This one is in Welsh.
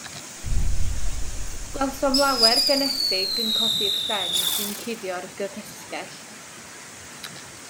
Gwelsom lawer genethig yn codi'r llen sy'n cuddio'r gyffesgell.